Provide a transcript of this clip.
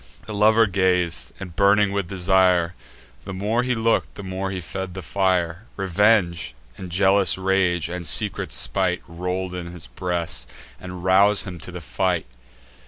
The lover gaz'd, and, burning with desire, The more he look'd, the more he fed the fire: Revenge, and jealous rage, and secret spite, Roll in his breast, and rouse him to the fight.